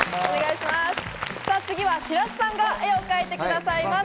次は白洲さんが絵を描いてくださいます。